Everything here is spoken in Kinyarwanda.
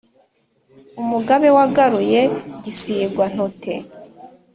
umugabe wagaruye gisigwa-ntote,